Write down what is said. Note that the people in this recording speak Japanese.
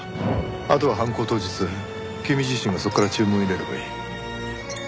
あとは犯行当日君自身がそこから注文を入れればいい。